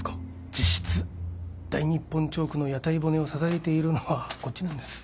実質大日本チョークの屋台骨を支えているのはこっちなんです。